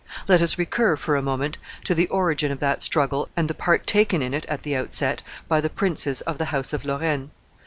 Let us recur, for a moment, to the origin of that struggle and the part taken in it, at the outset, by the princes of the house of Lorraine.